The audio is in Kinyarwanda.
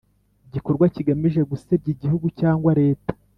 igikorwa kigamije gusebya Igihugu cyangwa Leta